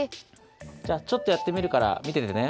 じゃあちょっとやってみるからみててね。